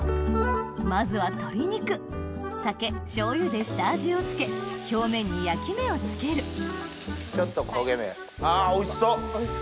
まずは鶏肉酒醤油で下味をつけ表面に焼き目をつけるちょっと焦げ目あおいしそう！